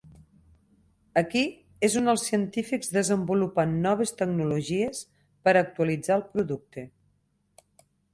Aquí és on els científics desenvolupen noves tecnologies per actualitzar el producte.